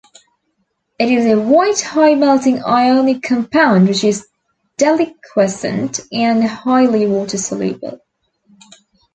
It is a white, high-melting ionic compound, which is deliquescent and highly water-soluble.